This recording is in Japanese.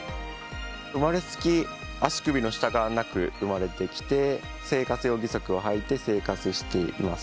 生まれつき、足首の下からなく生まれてきて生活用義足をはいて生活しています。